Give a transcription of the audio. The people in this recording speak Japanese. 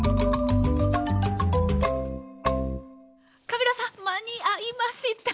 カビラさん間に合いました。